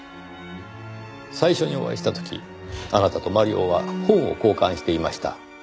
最初にお会いした時あなたとマリオは本を交換していました。